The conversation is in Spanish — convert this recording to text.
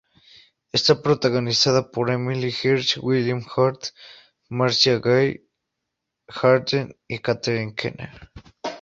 Está protagonizada por Emile Hirsch, William Hurt, Marcia Gay Harden y Catherine Keener.